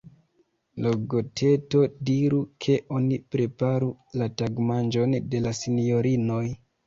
Logoteto, diru, ke oni preparu la tagmanĝon de la sinjorinoj.